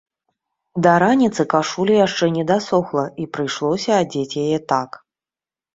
Да раніцы кашуля яшчэ не дасохла і прыйшлося адзець яе так.